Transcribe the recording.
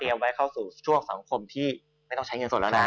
เตรียมไว้เข้าสู่ช่วงสมคมที่ไม่ต้องใช้เงินส่วนแล้วนั้น